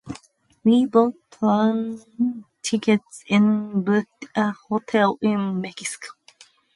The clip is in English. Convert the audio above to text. We bought plane tickets and booked a hotel in Mexico.